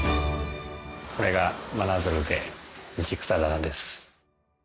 これが「真鶴で道草棚」です。